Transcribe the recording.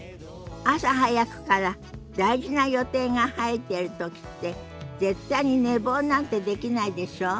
朝早くから大事な予定が入ってる時って絶対に寝坊なんてできないでしょ？